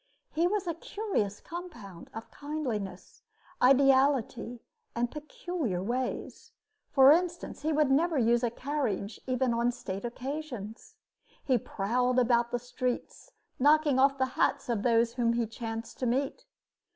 He was a curious compound of kindliness, ideality, and peculiar ways. For instance, he would never use a carriage even on state occasions. He prowled around the streets, knocking off the hats of those whom he chanced to meet.